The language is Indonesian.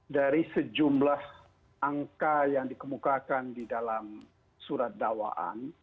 dari sejumlah angka yang dikemukakan di dalam surat dakwaan